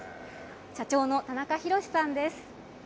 社長の田中博さんです。